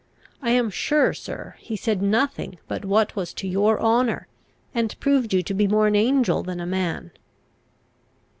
I am sure, sir, he said nothing but what was to your honour, and proved you to be more an angel than a man."